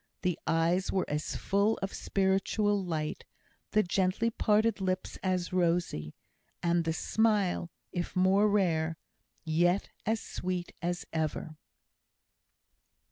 The eyes were as full of spiritual light, the gently parted lips as rosy, and the smile, if more rare, yet as sweet as ever.